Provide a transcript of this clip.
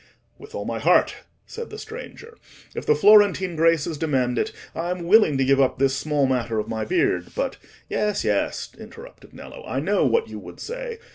"With all my heart," said the stranger. "If the Florentine Graces demand it, I am willing to give up this small matter of my beard, but—" "Yes, yes," interrupted Nello. "I know what you would say.